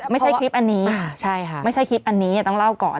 ไม่ใช่คลิปอันนี้ใช่ค่ะไม่ใช่คลิปอันนี้ต้องเล่าก่อน